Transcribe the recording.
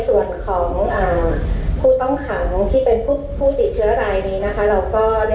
ส่วนของผู้ต้องขังที่เป็นผู้ติดเชื้อรายนี้นะคะ